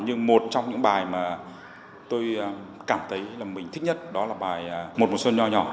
nhưng một trong những bài mà tôi cảm thấy là mình thích nhất đó là bài một mùa xuân nho nhỏ nhỏ